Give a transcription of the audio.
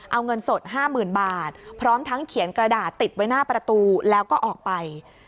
เอาเงินสด๕๐๐๐บาทพร้อมทั้งเขียนกระดาษติดไว้หน้าประตูแล้วก็ออกไป